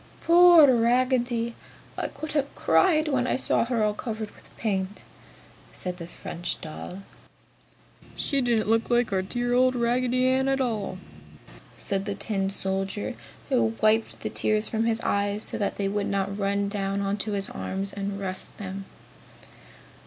"Poor Raggedy! I could have cried when I saw her all covered with paint!" said the French doll. "She didn't look like our dear old Raggedy Ann at all!" said the tin soldier, who wiped the tears from his eyes so that they would not run down on his arms and rust them.